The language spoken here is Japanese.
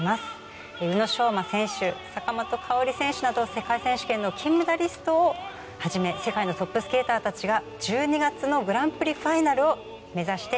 宇野昌磨選手坂本花織選手など世界選手権の金メダリストを始め世界のトップスケーターたちが１２月のグランプリファイナルを目指しています。